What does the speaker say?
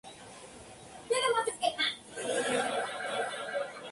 Incluía un sistema integrado de mira óptica, módulo láser y de iluminación.